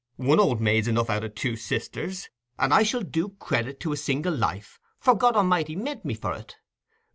One old maid's enough out o' two sisters; and I shall do credit to a single life, for God A'mighty meant me for it.